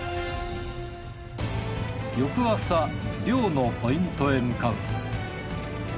漁のポイントへ向かう。